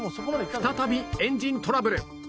再びエンジントラブル